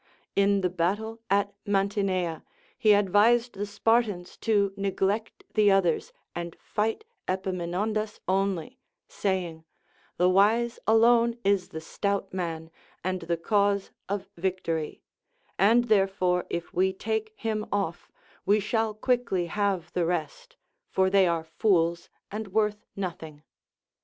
In the battle at Mantinea, he advised the Spartans to neglect the others and fight Epaminondas only, saying : The wise alone is the stout man, and the cause of victory ; and therefore if we take him off, we shall quickly have the rest ; for they are fools and worth nothing.